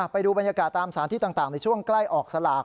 ไปดูบรรยากาศตามสถานที่ต่างในช่วงใกล้ออกสลาก